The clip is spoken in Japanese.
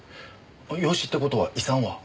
養子って事は遺産は？